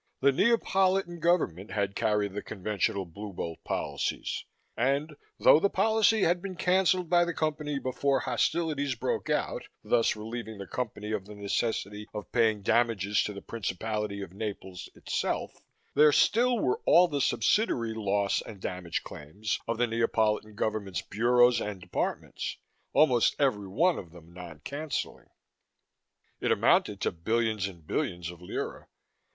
The Neapolitan government had carried the conventional Blue Bolt policies and, though the policy had been canceled by the Company before hostilities broke out thus relieving the Company of the necessity of paying damages to the principality of Naples itself still there were all the subsidiary loss and damage claims of the Neapolitan government's bureaus and departments, almost every one of them non canceling. It amounted to billions and billions of lire.